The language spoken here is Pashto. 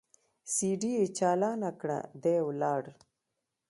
سي ډي يې چالانه کړه دى ولاړ.